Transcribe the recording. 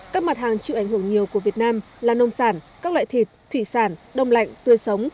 các mặt hàng chịu ảnh hưởng nhiều của việt nam là nông sản các loại thịt thủy sản đông lạnh tươi sống